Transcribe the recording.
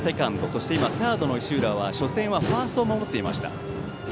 そして今、サードの石浦は初戦はファーストを守りました。